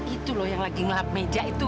itu loh yang lagi ngelap meja itu